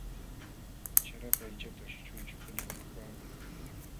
Charapa aychataśh chunchukuna mikupaakun.